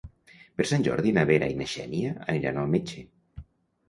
Per Sant Jordi na Vera i na Xènia aniran al metge.